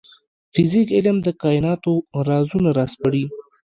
فزیک علم د کایناتو رازونه راسپړي